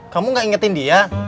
kamu gak ingetin dia